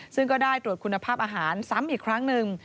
ซึ่งก็ได้ตรวจคุณภาพอาหารซ้ำอีกครั้งหนึ่ง